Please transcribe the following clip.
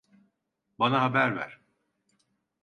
Bana haber ver.